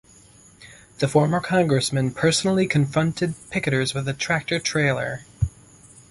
The former congressman personally confronted picketers with a tractor trailer.